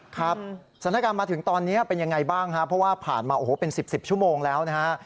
ครับสถานการณ์มาถึงตอนนี้เป็นยังไงบ้างครับเพราะว่าผ่านมาโอ้โหเป็น๑๐ชั่วโมงแล้วนะฮะ